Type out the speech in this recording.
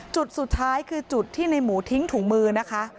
จุดสุดท้ายคือจุดที่ในหมูทิ้งถุงมือนะคะ